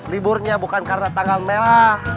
liburnya bukan karena tanggal merah